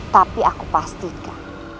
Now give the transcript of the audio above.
tapi aku pastikan